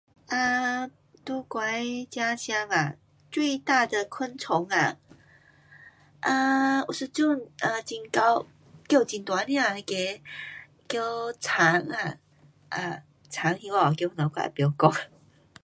啊，在我的家乡啊，最大的昆虫啊，啊，有一种很会，叫很大声那个，叫蝉啊，啊，蝉兴华话叫什么我也甭晓讲。